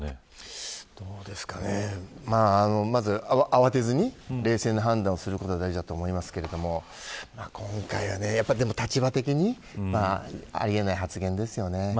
そうなると、どういう対応が慌てずに冷静な判断をすることが大事だと思いますけれども今回は立場的にあり得ない発言ですよね。